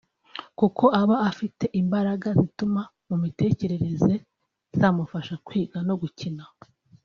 kuko aba afite imbaraga zituruka mu mitekerereze zamufasha kwiga no gukina